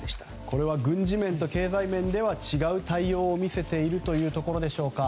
これは軍事面と経済面では違う対応を見せているというところでしょうか。